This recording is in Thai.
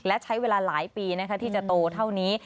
และใช้เวลาหลายปีที่จะโตเท่านี้